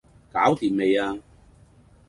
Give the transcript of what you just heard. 搞掂未呀?